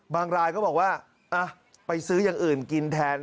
รายก็บอกว่าไปซื้ออย่างอื่นกินแทน